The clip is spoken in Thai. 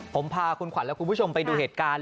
ผมพาคุณขวัญและคุณผู้ชมไปดูเหตุการณ์